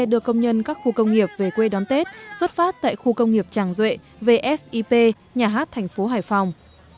đưa công nhân các khu công nghiệp về quê đón tết xuất phát tại khu công nghiệp tràng duệ vsip nhà hát thành phố hải phòng